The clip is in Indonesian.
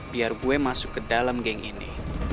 biar gue masuk ke dalam geng ini